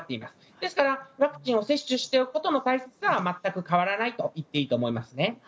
ですからワクチンを接種しておくことの大切さは全く変わらないと言っていいと思いますね。